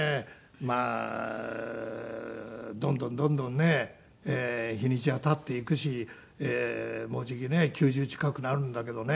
まあどんどんどんどんね日にちは経っていくしもうじきね９０近くなるんだけどね。